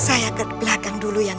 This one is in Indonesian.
aku akan ke belakang dulu doro